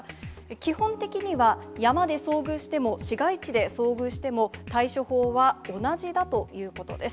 基本的には、山で遭遇しても市街地で遭遇しても、対処法は同じだということです。